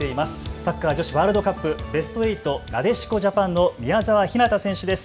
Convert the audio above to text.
サッカー女子ワールドカップベスト８、なでしこジャパンの宮澤ひなた選手です。